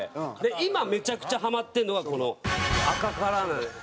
今めちゃくちゃハマってるのがこの赤から。